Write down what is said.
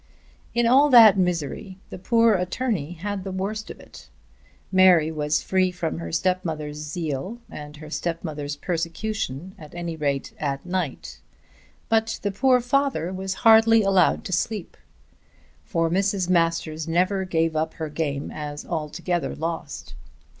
In all that misery the poor attorney had the worst of it. Mary was free from her stepmother's zeal and her stepmother's persecution at any rate at night; but the poor father was hardly allowed to sleep. For Mrs. Masters never gave up her game as altogether lost.